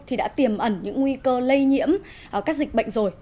thì đã tiềm ẩn những nguy cơ lây nhiễm các dịch bệnh rồi